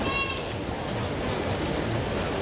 ถือว่าชีวิตที่ผ่านมายังมีความเสียหายแก่ตนและผู้อื่น